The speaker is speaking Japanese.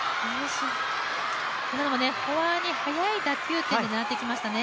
今のもフォア側に速い打球点で狙ってきましたね。